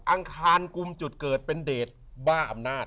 อังคารกุมจุดเกิดเป็นเดทบ้าอำนาจ